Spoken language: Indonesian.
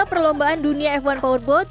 perlombaan dunia f satu powerboat